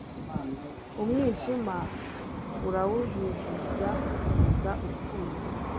umwijima urawujujubya kugeza ipfuye